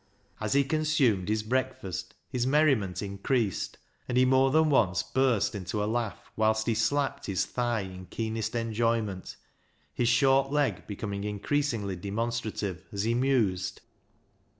As he consumed his breakfast his merriment 19 ago BECKSIDE LIGHTS increased, and he more than once burst into a laugh, whilst he slapped his thigh in keenest enjoyment, his short leg becoming increasingly demonstrative as he mused.